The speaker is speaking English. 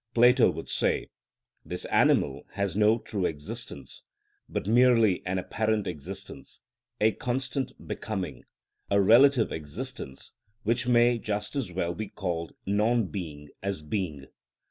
Plato would say, "This animal has no true existence, but merely an apparent existence, a constant becoming, a relative existence which may just as well be called non being as being.